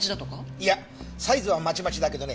いやサイズはまちまちだけどね